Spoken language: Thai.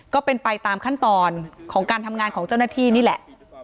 ก็เป็นไปตามขั้นตอนของการทำงานของเจ้าหน้าที่นี่แหละ